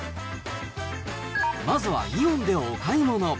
まずはイオンでお買い物。